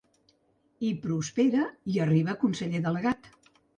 Hi prospera i arriba a conseller delegat.